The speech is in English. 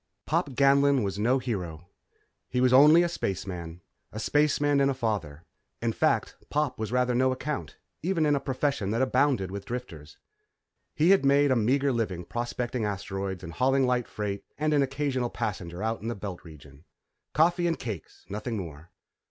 _Pop Ganlon was no hero he was only a spaceman. A spaceman and a father. In fact, Pop was rather no account, even in a profession that abounded with drifters. He had made a meagre living prospecting asteroids and hauling light freight and an occasional passenger out in the Belt Region. Coffee and cakes, nothing more.